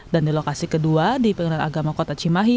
dan di lokasi kedua di pengadilan agama kota cimahi